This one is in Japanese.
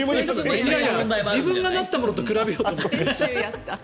自分がなったもののと比べようと思って。